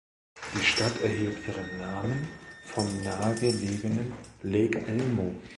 Die Stadt erhielt ihren Namen vom nahe gelegenen Lake Elmo.